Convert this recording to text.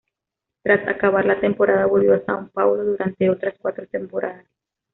Tras acabar la temporada volvió a São Paulo durante otras cuatro temporadas.